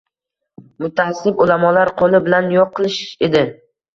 mutaassib ulamolar qo'li bilan yo'q qilish edi.